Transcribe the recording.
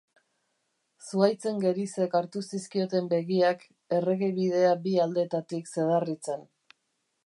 Zuhaitzen gerizek hartu zizkioten begiak, erregebidea bi aldeetatik zedarritzen.